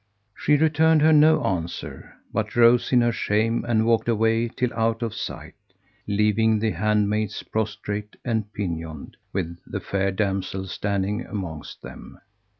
She returned her no answer, but rose in her shame and walked away till out of sight, leaving the handmaids prostrate and pinioned, with the fair damsel standing amongst them.